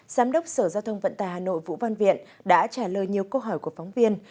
giám đốc sở giao thông vận tài hà nội vũ văn viện đã trả lời nhiều câu hỏi của phóng viên